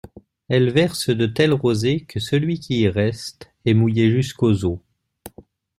Elle verse de telles rosées que celui qui y reste, est mouillé jusqu'aux os.